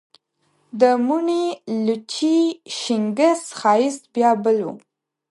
د موڼي، لچي، شینګس ښایست بیا بل و